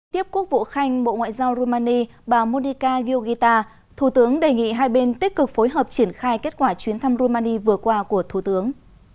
tiếp quốc vụ khanh bộ ngoại giao rumani bà monica giurgita thủ tướng đề nghị hai bên tích cực phối hợp triển khai kết quả chuyến thăm rumani vừa qua của thủ tướng